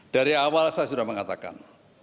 dari awal saya sudah mengatakan